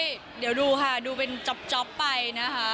เดี๋ยวดูค่ะดูเป็นจ๊อปไปนะคะ